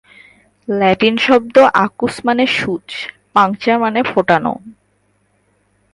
Latin শব্দ ‘আকুস’ মানে সুচ, ‘পাঙ্কচার’ মানে ফোটানো।